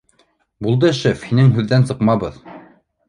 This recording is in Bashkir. — Булды, шеф, һинең һүҙҙән сыҡмабыҙ